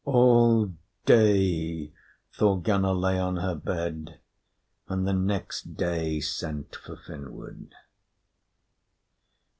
All day Thorgunna lay on her bed, and the next day sent for Finnward.